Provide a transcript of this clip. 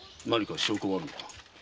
何か証拠があるのか？